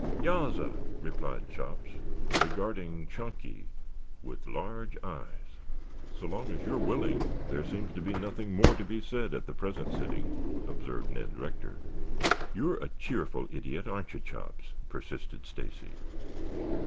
"Yassir," replied Chops, regarding Chunky with large eyes. "So long as you are willing, there seems to be nothing more to be said at the present sitting," observed Ned Rector. "You're a cheerful idiot, aren't you, Chops?" persisted Stacy.